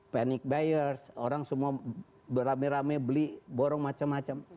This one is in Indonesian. panic buyers orang semua beramai ramai beli borong macam macam